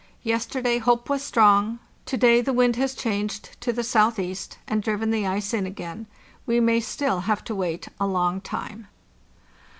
Yesterday hope was strong; to day the wind has changed to the southeast, and driven the ice in again. We may still have to wait a long time.